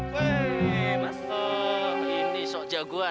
weh mas toh ini sok jagoan